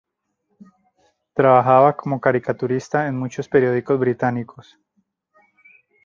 Trabajaba como caricaturista en muchos periódicos británicos.